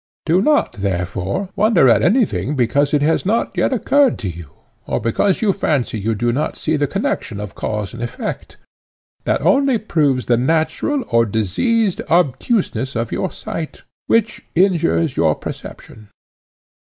Do not, therefore, wonder at any thing because it has not yet occurred to you, or because you fancy you do not see the connexion of cause and effect; that only proves the natural or diseased obtuseness of your sight, which injures your perception.